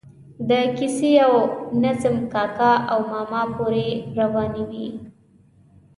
د کیسې او نظم کاکا او ماما پورې روانې وي.